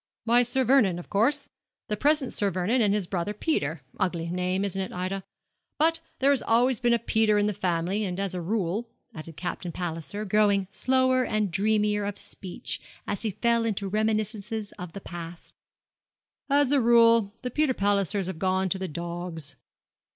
'Why, Sir Vernon, of course the present Sir Vernon and his brother Peter: ugly name, isn't it, Ida? but there has always been a Peter in the family; and as a rule,' added Captain Palliser, growing slower and dreamier of speech as he fell into reminiscences of the past 'as a rule the Peter Pallisers have gone to the dogs.